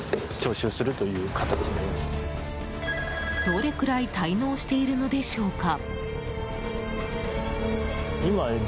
どれくらい滞納しているのでしょうか？